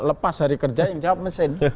lepas dari kerja yang jawab mesin